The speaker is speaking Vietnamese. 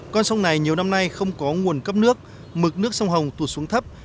con sông này nhiều năm nay không có nguồn cấp nước mực nước sông hồng tụt xuống thấp